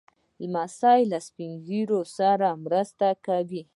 لمسی له سپين ږیرو سره مرسته کوي.